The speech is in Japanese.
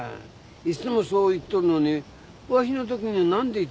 いつもそう言っとるのにわしのときには何で言ってくれん。